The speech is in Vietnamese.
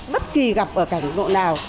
bất kỳ gặp ở cảnh ngộ nào